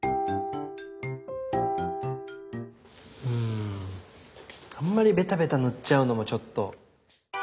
うんあんまりベタベタ塗っちゃうのもちょっと。